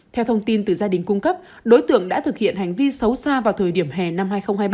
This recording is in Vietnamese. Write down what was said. theo thông tin từ gia đình cung cấp đối tượng đã thực hiện hành vi xấu xa vào thời điểm hè năm hai nghìn hai mươi ba